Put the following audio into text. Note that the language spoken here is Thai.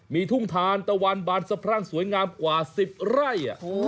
มีทุ่งทานตะวันบานสะพรั่งสวยงามกว่า๑๐ไร่